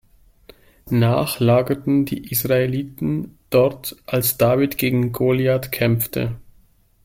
Nach lagerten die Israeliten dort, als David gegen Goliat kämpfte.